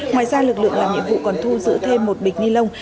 ngoài ra lực lượng làm nhiệm vụ còn thu giữ thêm một bịch ni lông